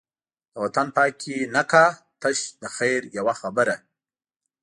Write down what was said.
د وطن په حق کی نه کا، تش د خیر یوه خبره